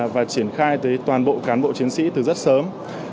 và triển khai tới toàn bộ cán bộ chiến sĩ từ rất sớm